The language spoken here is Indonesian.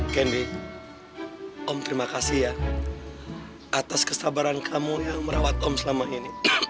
kendi om terima kasih ya atas kesabaran kamu yang merawat om selama ini